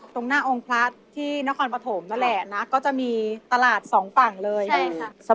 ตรงหน้าองค์พระที่นครปฐมนั่นแหละนะก็จะมีตลาดสองฝั่งเลยใช่ค่ะ